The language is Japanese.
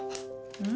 うん！